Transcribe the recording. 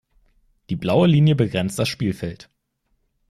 Die blaue Linie begrenzt das Spielfeld.